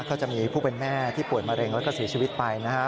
ก็จะมีผู้เป็นแม่ที่ป่วยมะเร็งแล้วก็เสียชีวิตไปนะฮะ